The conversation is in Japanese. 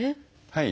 はい。